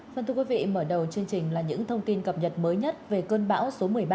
phần thưa quý vị mở đầu chương trình là những thông tin cập nhật mới nhất về cơn bão số một mươi ba